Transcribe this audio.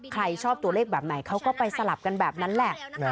ใครชอบตัวเลขแบบไหนเขาก็ไปสลับกันแบบนั้นแหละ